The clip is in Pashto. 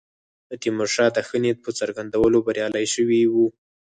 د تیمورشاه د ښه نیت په څرګندولو بریالي شوي وو.